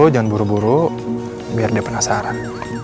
jangan buru buru biar dia penasaran